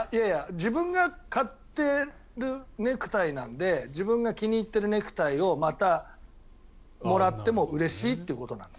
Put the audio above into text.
自分が買ってるネクタイなので自分が気に入っているネクタイをまたもらってもうれしいということなんです。